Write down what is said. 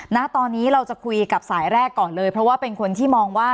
ณตอนนี้เราจะคุยกับสายแรกก่อนเลยเพราะว่าเป็นคนที่มองว่า